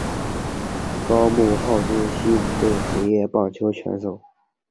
高木浩之西武队职业棒球选手。